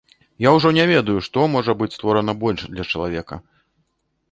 Я ўжо не ведаю, што можа быць створана больш для чалавека.